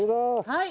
はい。